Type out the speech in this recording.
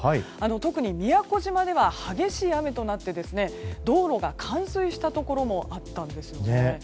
特に宮古島では激しい雨となって道路が冠水したところもあったんですよね。